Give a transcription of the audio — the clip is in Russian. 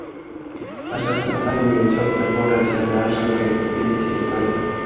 «Наша страна не ведет войну ради наживы или территории.